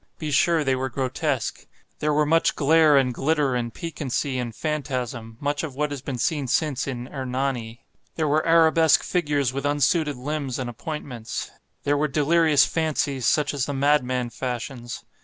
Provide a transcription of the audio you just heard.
Be sure they were grotesque. There were much glare and glitter and piquancy and phantasm—much of what has been since seen in "Hernani." There were arabesque figures with unsuited limbs and appointments. There were delirious fancies such as the madman fashions.